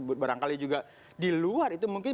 buat barangkali juga di luar itu mungkin